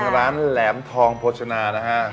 แหลมทองโภชนานะฮะ